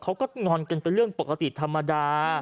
งอนกันเป็นเรื่องปกติธรรมดา